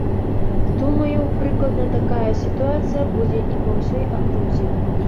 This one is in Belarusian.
Думаю, прыкладна такая сітуацыя будзе і па ўсёй акрузе.